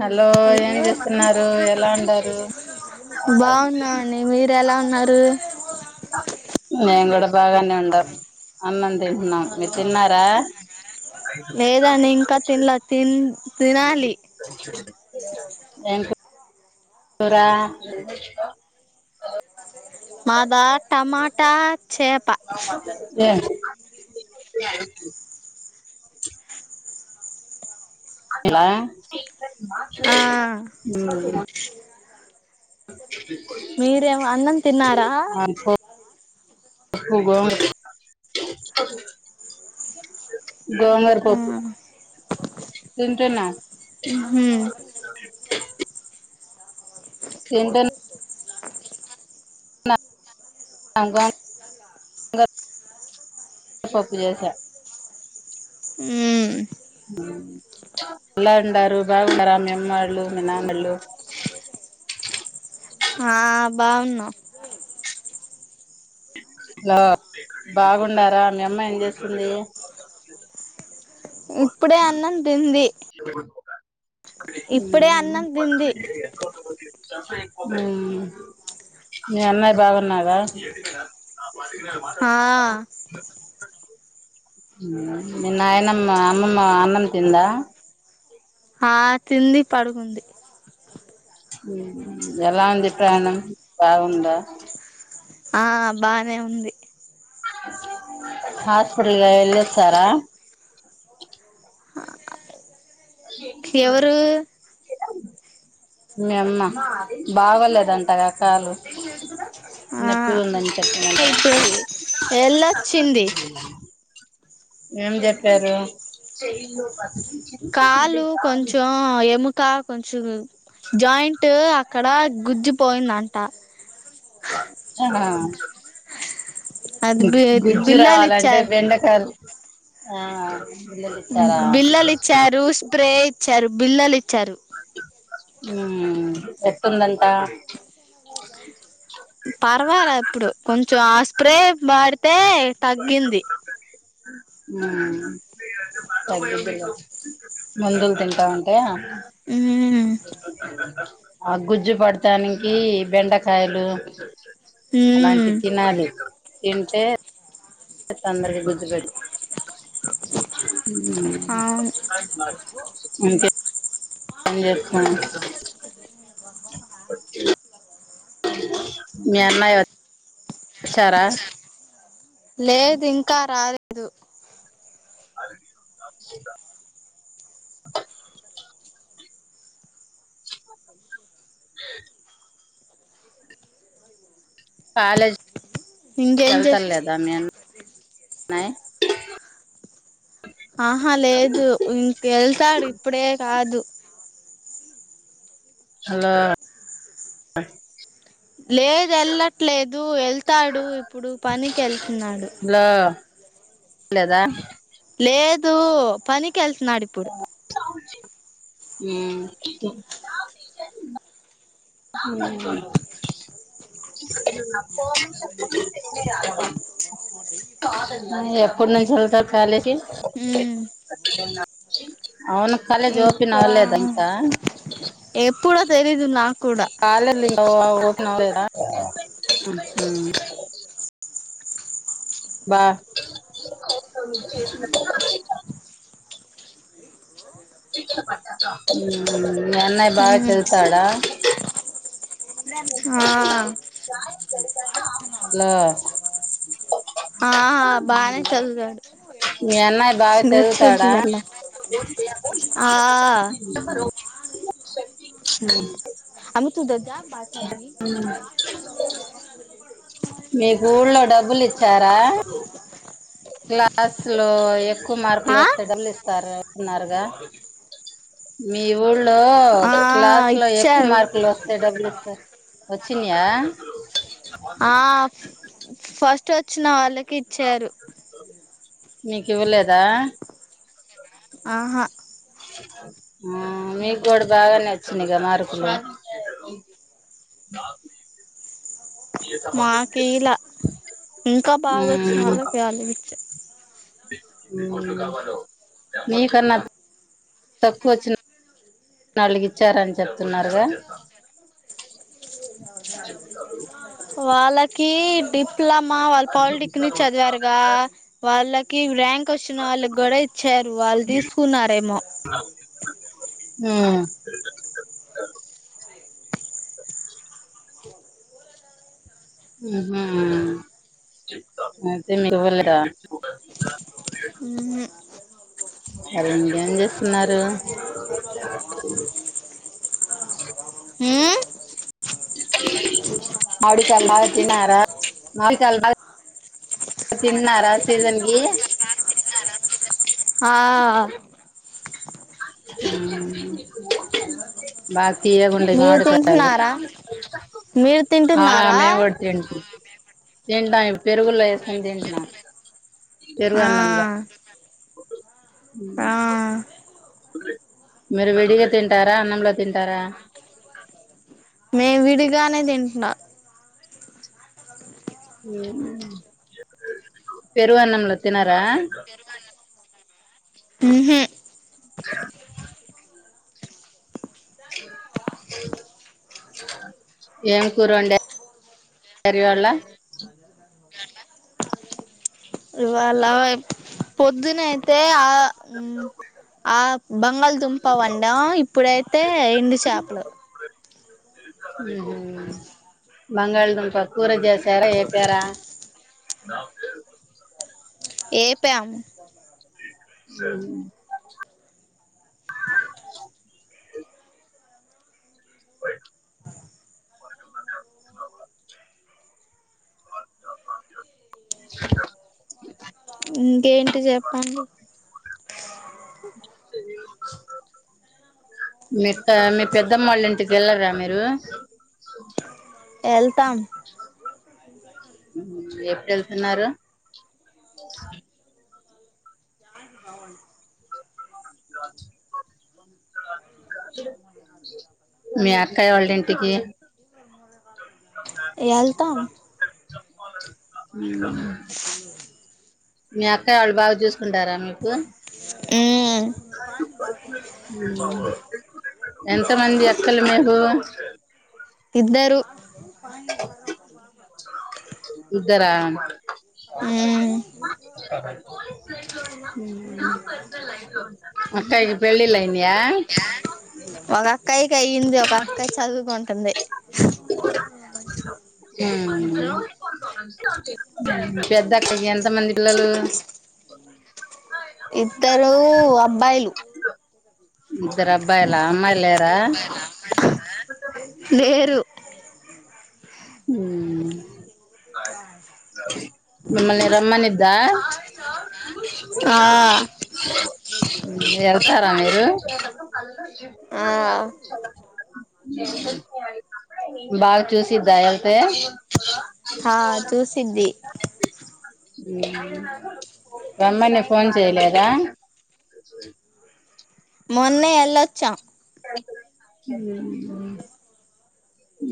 Hello ఏం జేస్తున్నారూ ఎలా ఉండారు మీరెలా ఉన్నరూ నేం గుడ బాగానే ఉండం అన్నం దింటున్నం మీర్ తిన్నారా లేదండి ఇంకా తిన్లా తిన్ తినాలి ఏం కూ కూరా మాదా టమాటార్ ఏం హెలో ఆ [inaudible] మీరేం అన్నం తిన్నారా వన్ ఫోర్ ఉ గోధుమ [unintelligible] గోమర్కొకు తింటున్న మ్మ్ ఏంటం గోం గూర పప్పు చేసా ఉమ్ ఎలా ఉండారు బాగుండరా మీ అమ్మ అమ్మాళ్ళూ మీ నానళ్ళూ ఆ బావున్నాం హలో బాగుండారా మీ అమ్మా ఏం చేస్తుంది ఇప్పుడే అన్నం తింది ఉమ్ ఇప్పుడే అన్నం తింది ఉమ్ మీ అన్నాయి బాగున్నారా ఆ [unintelligible] ఉమ్ మీ నాయనమ్మ అమ్మమ్మ అన్నం తిందా ఆ తింది పడుకుంది ఎలా ఉంది ప్రణం బావుందా ఆ బానే ఉంది హాస్పిటల్లో ఎల్లోచ్చారా షేకింగ్ ఎవరు సూడా మీ అమ్మ బాగోలేదంటగా కాలు ఆ నొప్పి ఉందని అని చెప్పిన కదా ఇప్పుడు వెళ్ళొచ్చింది ఏం చెప్పారు ఆ ఎముక కొంచెం జాయింట్ అక్కడ గుజ్జిపోయిందంట ఆ అది గు బి గుజ్జు బిల్లలు రావాలంటే ఇచ్చారు బెండకాయలు ఆ [unintelligible] ఇచ్చారా బిల్లలు ఇచ్చారు స్ప్రే ఇచ్చారు బిల్లల్ ఇచ్చారు ఉమ్ ఎట్లుందంటా పర్వాలే ఇప్పుడు కొంచెం ఆ స్ప్రే వాడితే తగ్గింది ఉమ్ తగిద్దిలే మందులు తింటా ఉంటే ఉమ్ ఆ గుజ్జు పడతానికి బెండకాయలు ఉమ్ అలాంటి తినాలి తింటే తొందరగా గుజ్జు పెడ్ అవును ఇంకేం చేస్తావ్ మీ అన్నయ్య వచ్చారా లేదు ఇంకా రాలె కాలేజీ ఇంకేం చే కేళ్తా లేదా మీ అన్నా యీ ఆహా లేదు ఇంకేళ్తాడు ఇప్పుడే కాదు హలో లేదు ఏళ్లట్లేదు ఏళ్తాడు ఇప్పుడు పనికేళ్తున్నాడు హలో లేదా లేదూ పనికెళ్తున్నాడిప్ ఉమ్ ఉమ్ ఎప్పునుంచి ఎల్తారు కాలేజ్కి ఉమ్ అవును కాలేజ్ ఇంకా ఓపినవలేద ఇంకా ఎప్పుడో తెలీదు నాక్కుడా కాలేజిలు ఇంకా ఒ ఓ ఓపినవలేదా బా ఉమ్ మ్మ్ మీ అన్నయ్య బాగా ఉమ్ చదువుతాడా ఆ అలో ఆహా బానే చదువుతాడు మీ అన్నయ్య బాగా చదువుతాడా గుచ్చుద్దియాల ఆఆ ఉమ్ అంట్లు తుదొదా బాసన్లన్ని ఉమ్ మీరు ఊల్లో డబ్బులిచ్చారా క్లాస్ లో ఎక్కువ ఆ మార్కులొస్తే డబ్బులు ఇస్తారన్నారుగా మీ ఊళ్ళో ఆ క్లాస్ లో ఎక్కువ ఇచ్చారు మార్కులు వస్తే డబ్బులు ఇస్తార్ వచ్చినయా ఆ ఫస్ట్ వచ్చిన వాళ్ళకి ఇచ్చారు నీకివ్వలేదా ఆహ ఆ నీగ్గుడ బాగానె వచ్చినయ్ గ మార్కులు మాకు ఈలా ఉమ్ కాలిగిచ్చా ఊమ్ నీ కన్నా తక్కువచ్చిన ఆళ్ళకిచ్చారని చెప్తున్నారుగా చెప్పుతాడు వాళ్ళకి డిప్లమా వాళ్ పాలిటెక్నిక్ చదివారుగా వాళ్ళకి ర్యాంక్ వచ్చిన వాళ్ళగ్గుడా ఇచ్చారు వాళ్ తీసుకున్నారేమో ఉమ్ ఉహు అయితే నీకివ్వలేదా ఉహు మరి ఇంకేం చేస్తున్నారు ఊమ్ మావిడి కాయలు బాగా తిన్నారా మావిడి కాయలు బాగ తిన్నారా సీజన్ కి ఆ ఉమ్ బాగ తియ్యగుంటయ్ మీరు మావిడి కాయలు తింటున్నారా మీరు ఆ తింటున్నారా మేము గూడ తిన్ పుడు తింటాం ఇ పెరుగుల్లో ఏసుకొని తింట్నం పెరుగు ఆ అన్నంల ఉమ్ ఆ మీరు విడిగా తింటారా అన్నంలో తింటారా నేను విడిగానే తింటున్నా పెరుగన్నంలో తినరా పెరుగన్నం ఉహు ఏం కూర వండారు ఇవాళ ఇవాళ ఇవాళ పొద్దున అయితే ఆ ఉమ్ ఆ బంగాళదుంప వండ ఇప్పుడైతే ఎండి చాపలు ఉమ్ బంగాళదుంప కూర చేశారా ఏపరా ఏపం ఉమ్ ఇంకేంటి చెప్పండి మీ మీ పెద్దమ్మ వాలా ఇంటికి వెళ్ళరా మీరు వెళ్తాం ఎప్పుడు వెళ్తున్నారు మీ అక్కయ వాళ్ళ ఇంటికి వెళ్తాం ఉమ్ మీ అక్కయ వాళ్ళు బాగా చూసుకుంటారా మీకు ఉమ్ ఉమ్ ఎంత మంది అక్కలు మీకు ఇద్దరు ఇద్దర ఉమ్ ఉమ్ అక్కయికి పెళ్లిళ్లు అయినాయ ఒక అక్కాయికి అయ్యింది ఒక అక్కాయి చదువుకుంటుంది ఉమ్ ఉమ్ పెద్ద అక్క కి ఎంత మంది పిల్లలు ఇద్దరు అబ్బాయిలు ఇద్దరు అబ్బాయిల అమ్మాయి లేరా లేరు ఉమ్ మిమ్మల్ని రమ్మనిద్దా ఆ వెళ్తారా మీరు [inaudible] ఆ బాగా చూసిదా వెళ్తే హా చూసిది ఉమ్ రమ్మని ఫోన్ చేయలేద మొన్నే వెళ్లి వచ్చా ఉమ్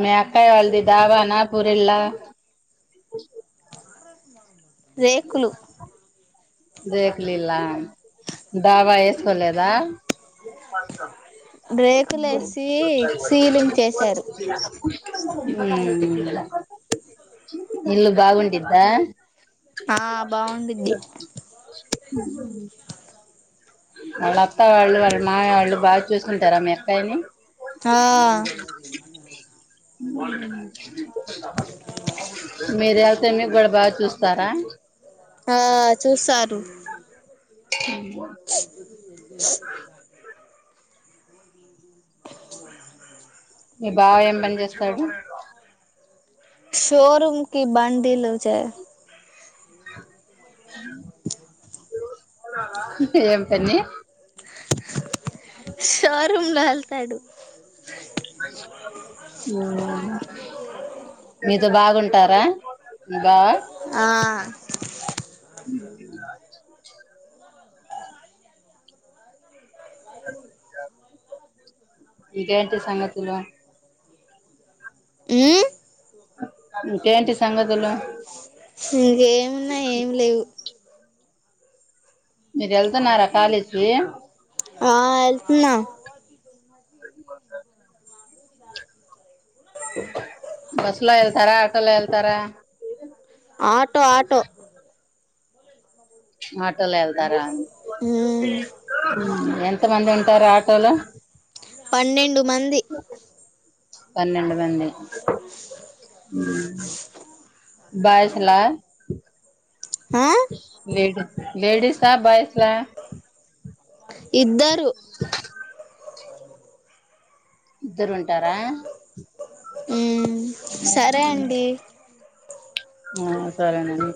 మీ అక్కా వాళ్ళది డబ్బానా పురిల్లా రేకులు రేకులిల్లా డబ వేసుకోలేదా ఊ ఉమ్ రేకులేసి సీలింగ్ చేశారు ఇల్లు బాగుండిదా ఆ బావుండిద్ది ఉం వాళ్ళ అత్తా వాళ్ళు వాళ్ళ మామయ్య వాళ్ళు బాగా చూసుంటారా మీ అక్కయ్యని ఆ ఊ మీర వెళ్తే మీకు కూడా బా చూస్తారా ఆ చూస్తారు మీ బావ ఏం పని చేస్తాడు షోరూంకి బండిలు చే ఏం పని షోరూంల ఎళ్తాడు ఊ మీతో బాగుంటారా మి బావ ఆ ఇంకేంటి సంగతులు ఊ ఇంకేంటి సంగతులు ఇంకేమున్నయ్ ఏమి లేవు మీరు ఎళ్తున్నారా కాలేజ్ కీ ఆ ఎళ్తున్న బస్లో ఎళ్తారా ఆటోలో ఎళ్తారా ఆటో ఆటో ఆటోలో ఎళ్తారా మ్మ్. ఊ ఎం తమంది ఉంటారు ఆటోలో పన్నెండు మంది పన్నెండు మంది ఉమ్ బాయస్లా ఆ లేడి లేడీసా బాయస్లా ఇద్దరు ఇద్దరు ఉంటారా మ్మ్. సరే అండి ఆ సరేనండి